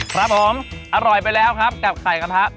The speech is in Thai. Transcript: ครับผมอร่อยไปแล้วครับกับไข่กระทะ